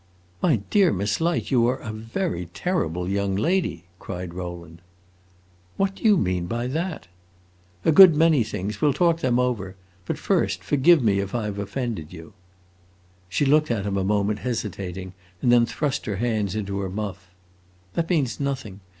"My dear Miss Light, you are a very terrible young lady!" cried Rowland. "What do you mean by that?" "A good many things. We 'll talk them over. But first, forgive me if I have offended you!" She looked at him a moment, hesitating, and then thrust her hands into her muff. "That means nothing.